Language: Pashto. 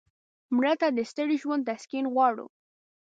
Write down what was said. مړه ته د ستړي ژوند تسکین غواړو